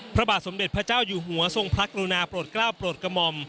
พระบาทสมเด็จพระเจ้าอยู่หัวทรงพระกรุณาโปรดกล้าวโปรดกระหม่อม